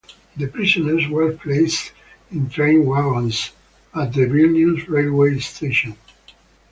The prisoners were placed in train wagons at the Vilnius railway station.